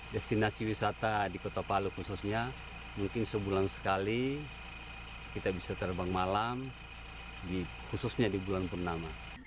destinasi wisata di kota palu khususnya mungkin sebulan sekali kita bisa terbang malam khususnya di bulan purnama